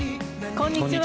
こんにちは。